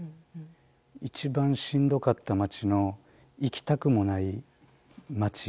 一番しんどかった街の行きたくもない街。